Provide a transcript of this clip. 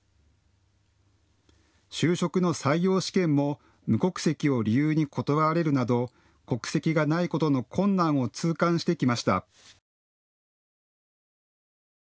就職の採用試験も無国籍を理由に断られるなど国籍がないことの困難を痛感してきました。